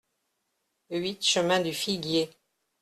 huit chemin du Figuier